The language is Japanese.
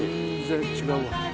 全然違うわ。